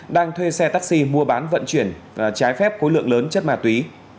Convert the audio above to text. đang thuê xe taxi mua bán vận chuyển trái phép khối lượng lớn chất ma túy